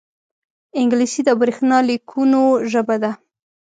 انګلیسي د برېښنا لیکونو ژبه ده